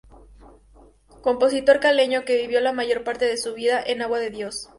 Compositor caleño que vivió la mayor parte de su vida en Agua de Dios.